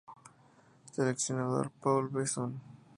Seleccionador: Paul Besson